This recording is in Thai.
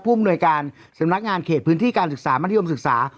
อำนวยการสำนักงานเขตพื้นที่การศึกษามัธยมศึกษา